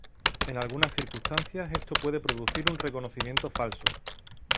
En algunas circunstancias esto puede producir un reconocimiento falso.